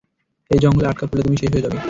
এই জঙ্গলে আটকা পরলে তুমি শেষ হয়ে যাবে।